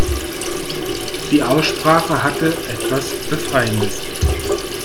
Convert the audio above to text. Die Aussprache hatte etwas Befreiendes.